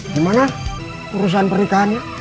gimana urusan pernikahannya